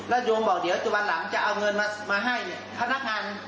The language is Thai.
แล้วยอมบอกเดี๋ยวจนวันหลังจะเอาเงินมามาให้ทนักงาน